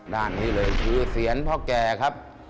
ด้านนี้เลยคือเสียงพ่อแก่ครับ